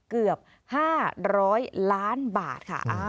เกือบ๕๐๐ล้านบาทค่ะ